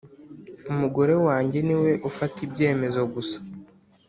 umugore wanjye niwe ufata ibyemezo gusa.